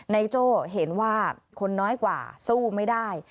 โจ้เห็นว่าคนน้อยกว่าสู้ไม่ได้